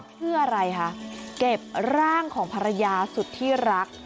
เพื่ออะไรคะเก็บร่างของภรรยาสุดที่รัก